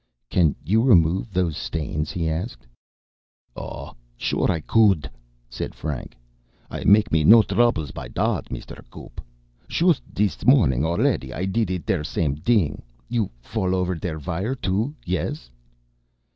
"Can you remove those stains?" he asked. "Oh, sure I couldt!" said Frank. "I make me no droubles by dot, Mister Gupp. Shust dis morning alretty I didt it der same ding. You fall ofer der vire too, yes?"